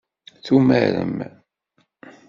Tumarem?